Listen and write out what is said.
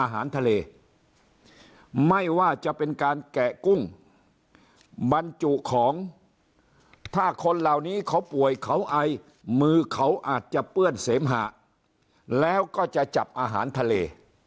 อาหารทะเลไม่ว่าจะเป็นการแกะกุ้งบรรจุของถ้าคนเหล่านี้เขาป่วยเขาไอมือเขาอาจจะเปื้อนเสมหะแล้วก็จะจับอาหารทะเล